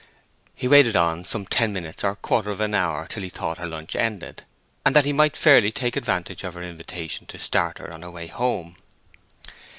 He waited on some ten minutes or a quarter of an hour, till he thought her lunch ended, and that he might fairly take advantage of her invitation to start her on her way home.